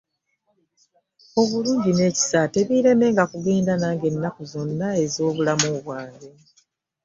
Obulungi nekisa tebilemenga kugenda nange ennaku zonna ezobulamu bwange.